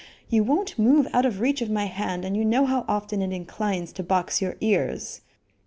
You won't move out of reach of my hand, and you know how often it inclines to box your ears."